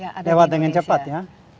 lewat dengan cepat ya